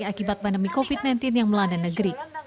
akibat pandemi covid sembilan belas yang melanda negeri